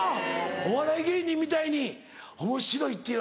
お笑い芸人みたいにおもしろいっていう。